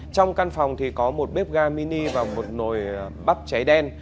trong căn phòng có một bếp ga mini và một nồi bắp cháy đen